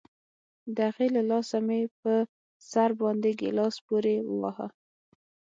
د هغې له لاسه مې په سر باندې گيلاس پورې وواهه.